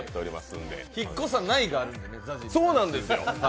引っ越さないがあるので、ＺＡＺＹさん。